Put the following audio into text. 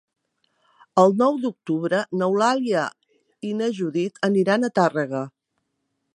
El nou d'octubre n'Eulàlia i na Judit aniran a Tàrrega.